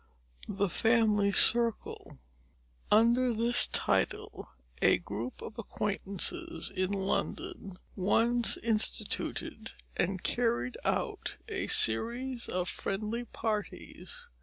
The Family Circle Under this title a group of acquaintances in London once instituted and carried out a series of friendly parties.